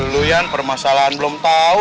lu yang permasalahan belum tau